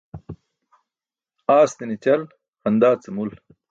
Aastiṅe ćal xaṅdaa ce mul.